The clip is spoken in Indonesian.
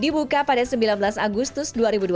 dibuka pada sembilan belas agustus dua ribu dua puluh